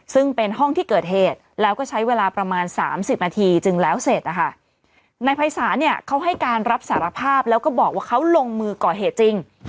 ซึ่งเป็นห้องที่เกิดเหตุแล้วก็ใช้เวลาประมาณสามสิบนาทีจึงแล้วเสร็จนะคะนายภัยศาลเนี่ยเขาให้การรับสารภาพแล้วก็บอกว่าเขาลงมือก่อเหตุจริง